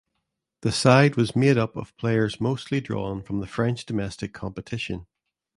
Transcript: The side was made up of players mostly drawn from the French domestic competition.